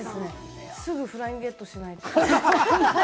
すぐフライングゲットしないと。